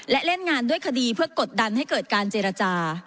และเล่นงานด้วยคดีเพื่อกดดันให้เกิดการเจรจา